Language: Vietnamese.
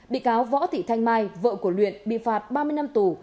bị cáo võ thị thanh mai vợ của luyện bị phạt ba mươi năm tù